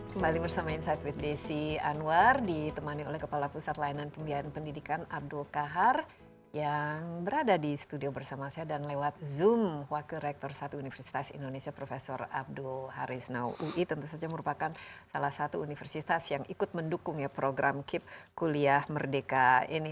kembali bersama insight with desi anwar ditemani oleh kepala pusat layanan pembiayaan pendidikan abdul kahar yang berada di studio bersama saya dan lewat zoom wakil rektor satu universitas indonesia prof abdul harisna ui tentu saja merupakan salah satu universitas yang ikut mendukung ya program kip kuliah merdeka ini